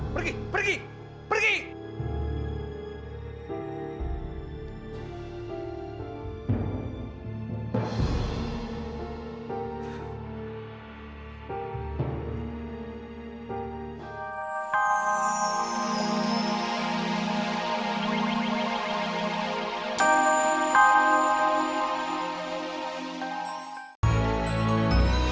pergi pergi pergi